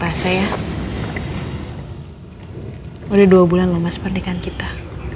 rasanya udah dua bulan lama sepertikan kita